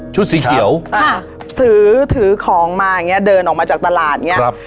สีเขียวอ่าซื้อถือของมาอย่างเงี้เดินออกมาจากตลาดอย่างเงี้ครับ